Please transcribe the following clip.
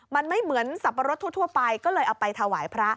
มันไม่เหมือนสับปะรดทั่วไปก็เลยเอาไปถวายพระ